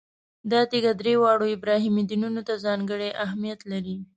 دا تیږه درې واړو ابراهیمي دینونو ته ځانګړی اهمیت لري.